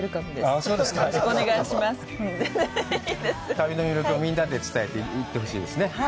旅の魅力をみんなで伝えていってほしいですね。